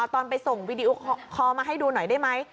ตอนไปส่งวีดีโอคอลมาให้ดูหน่อยได้ไหม